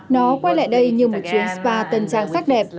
nó quay lại đây như một chuyến spa tân trang sắc đẹp